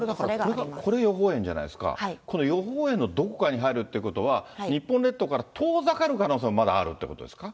これだから、これ予報円じゃないですか、この予報円のどこかに入るということは、日本列島から遠ざかる可能性もまだあるということですか。